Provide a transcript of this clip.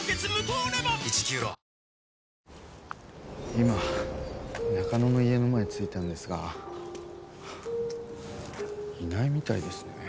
今中野の家の前に着いたんですがいないみたいですね。